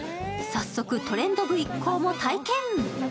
早速「トレンド部」一行も体験。